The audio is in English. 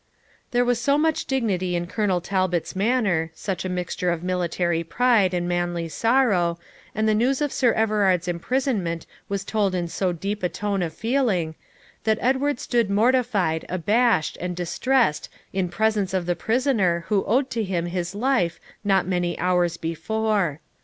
There was so much dignity in Colonel Talbot's manner, such a mixture of military pride and manly sorrow, and the news of Sir Everard's imprisonment was told in so deep a tone of feeling, that Edward stood mortified, abashed, and distressed in presence of the prisoner who owed to him his life not many hours before.